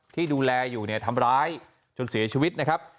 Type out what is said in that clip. ที่ดูแลอยู่เนี่ยทำร้ายจนเสียชีวิตนะครับ